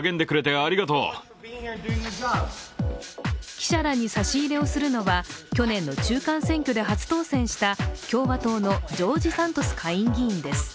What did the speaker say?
記者らに差し入れをするのは去年の中間選挙で初当選した共和党のジョージ・サントス下院議員です。